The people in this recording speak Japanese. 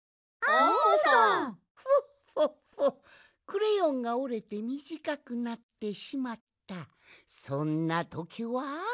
クレヨンがおれてみじかくなってしまったそんなときは。